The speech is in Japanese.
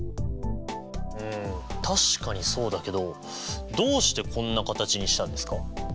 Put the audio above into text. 確かにそうだけどどうしてこんな形にしたんですか？